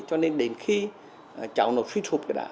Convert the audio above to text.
cho nên đến khi cháu nó suýt sụp cái đã